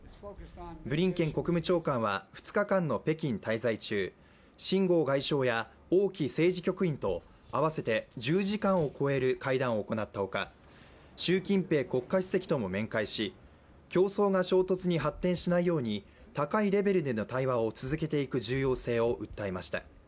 ブリンケン国務長官は２日間の北京滞在中秦剛外相や王毅政治局員と合わせて１０時間を超える会談を行ったほか習近平国家主席とも面会し競争が衝突に発展しないように高いレベルでの対話を続けていく重要性を訴えました。